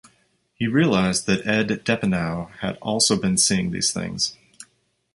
He realizes that Ed Deepneau had also been seeing these things.